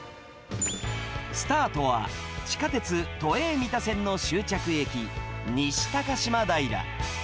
スタートは、地下鉄都営三田線の終着駅、西高島平。